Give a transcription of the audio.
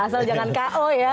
asal jangan ko ya